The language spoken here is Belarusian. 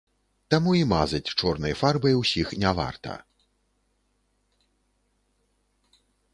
Таму і мазаць чорнай фарбай усіх не варта.